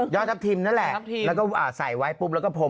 ทัพทิมนั่นแหละแล้วก็ใส่ไว้ปุ๊บแล้วก็พรม